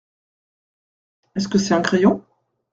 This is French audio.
Est-ce que c’est un crayon ?